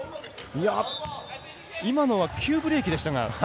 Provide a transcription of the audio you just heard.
今のは急ブレーキでしたが。